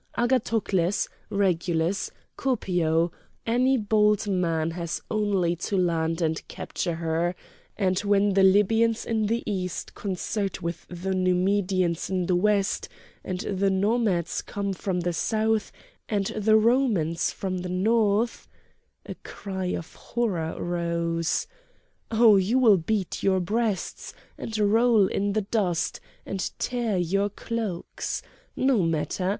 Agathocles, Regulus, Copio, any bold man has only to land and capture her; and when the Libyans in the east concert with the Numidians in the west, and the Nomads come from the south, and the Romans from the north"—a cry of horror rose—"Oh! you will beat your breasts, and roll in the dust, and tear your cloaks! No matter!